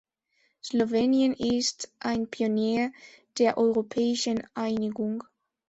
Slowenien ist ein Pionier der europäischen Einigung.